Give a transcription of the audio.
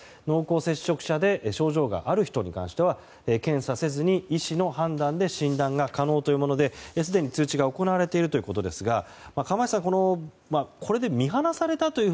濃厚接触者で症状がある人に関しては検査せずに医師の判断で診断が可能というものですでに通知が行われているということですが